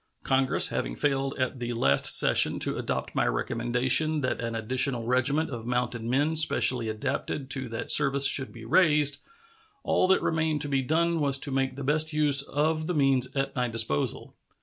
Congress having failed at the last session to adopt my recommendation that an additional regiment of mounted men specially adapted to that service should be raised, all that remained to be done was to make the best use of the means at my disposal.